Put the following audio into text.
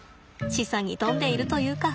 示唆に富んでいるというか。